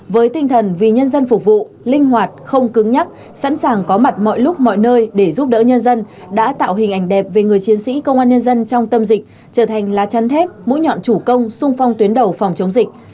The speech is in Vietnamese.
với tinh thần vì nhân dân phục vụ linh hoạt không cứng nhắc sẵn sàng có mặt mọi lúc mọi nơi để giúp đỡ nhân dân đã tạo hình ảnh đẹp về người chiến sĩ công an nhân dân trong tâm dịch trở thành lá chắn thép mũi nhọn chủ công sung phong tuyến đầu phòng chống dịch